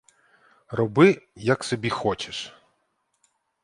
Роби, як собі хочеш!